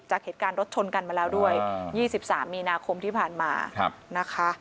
จากเหตุการณ์รถชนกันมาแล้วด้วย๒๓มีนาคมที่ผ่านมานะคะ